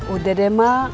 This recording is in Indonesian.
udah deh mak